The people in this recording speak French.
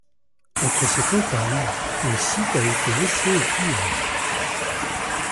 Entre ces campagnes, le site a été laissé au pillage.